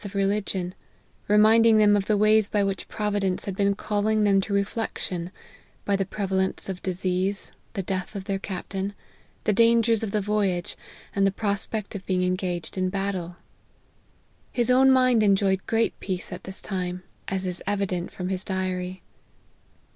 63 of religion, reminding them of the ways by which Providence had been calling them to reflection, by the prevalence of disease, the death of their captain, the dangers of the voyage, and the prospect of being engaged in battle. His own mind enjoyed great peace at this time, as is evident from his diary.